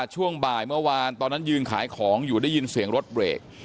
ช่วงบ่ายเมื่อวานตอนนั้นยืนขายของอยู่ได้ยินเสียงรถเบรก